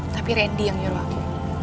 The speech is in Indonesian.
tapi randy yang nyuruh aku